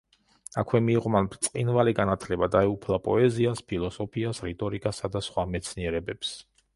აქვე მიიღო მან ბრწყინვალე განათლება: დაეუფლა პოეზიას, ფილოსოფიას, რიტორიკასა და სხვა მეცნიერებებს.